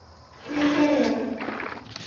นี่ใกล้ละ